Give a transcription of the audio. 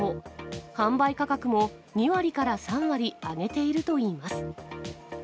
販売価格も２割から３割、上げているといいます。